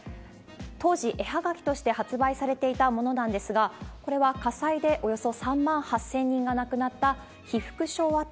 当時絵葉書として発売されていたものなんですが、これは火災でおよそ３万８０００人が亡くなった被服しょう跡